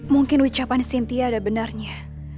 mungkin ucapan sintia ada benarnya